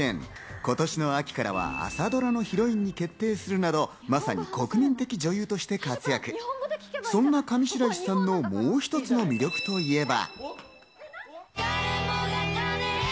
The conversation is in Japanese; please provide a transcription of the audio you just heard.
今年の秋からは朝ドラのヒロインに決定するなど、まさに国民的女優として活躍、そんな上白石さんのもう一つの魅力といえば。